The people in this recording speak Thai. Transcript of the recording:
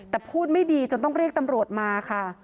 แต่พูดไม่ดีจนต้องเรียกตำรวจมาค่ะ